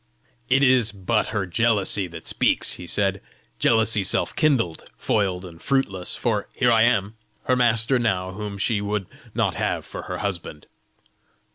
"It is but her jealousy that speaks," he said, "jealousy self kindled, foiled and fruitless; for here I am, her master now whom she, would not have for her husband!